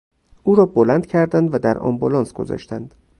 او را بلند کردند و در آمبولانس گذاشتند.